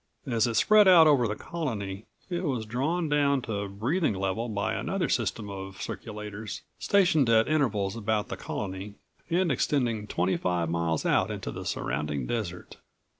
As it spread out over the Colony it was drawn down to breathing level by another system of circulators, stationed at intervals about the Colony and extending twenty five miles out into the surrounding desert.